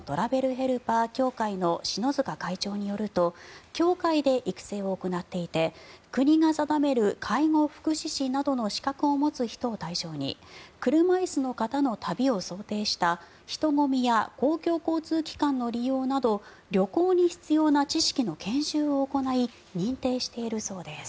ヘルパー協会の篠塚会長によると協会で育成を行っていて国が定める介護福祉士などの資格を持つ人を対象に車椅子の方の旅を想定した人混みや公共交通機関の利用など旅行に必要な知識の研修を行い認定しているそうです。